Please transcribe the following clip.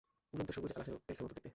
উড়ন্ত সবুজ এলফের মতো দেখতে।